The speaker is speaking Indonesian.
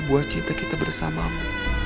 buah cinta kita bersamamu